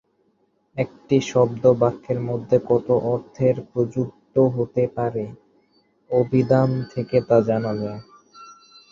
একটি শব্দ বাক্যের মধ্যে কত অর্থে প্রযুক্ত হতে পারে, অভিধান থেকে তা জানা যায়।